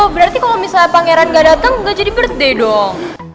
berarti kalo misalnya pangeran ga dateng ga jadi birthday dong